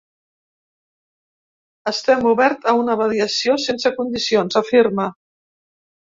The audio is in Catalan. Estem obert a una mediació sense condicions, afirma.